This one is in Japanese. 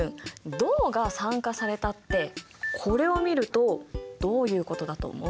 銅が酸化されたってこれを見るとどういうことだと思う？